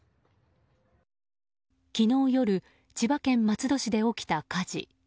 昨日夜千葉県松戸市で起きた火事。